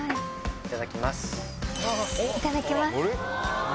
いただきます。